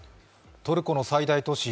トルコの最大都市